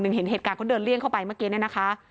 เห็นเหตุการณ์เขาเดินเลี่ยงเข้าไปเมื่อกี้เนี่ยนะคะ